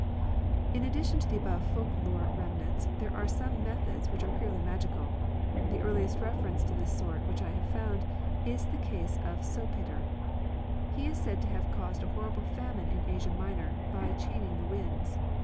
e In addition to the above folk lore remnants there are some methods which are purely magical. The earliest reference to this sort which I have found is the case of Sdpater. He is said to have caused a horrible famine in Asia Minor by "chaining the winds."